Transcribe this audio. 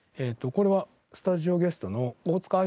これはスタジオゲストの。